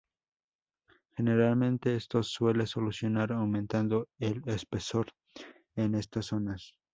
Generalmente, esto se suele solucionar aumentando el espesor en estas zonas.